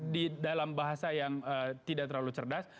di dalam bahasa yang tidak terlalu cerdas